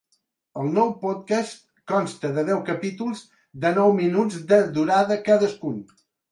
El nou podcast consta de deu capítols de nou minuts de durada cadascun.